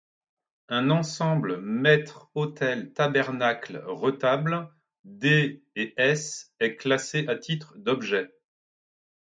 Un ensemble maître-autel-tabernacle-retable des et s est classé à titre d'objet.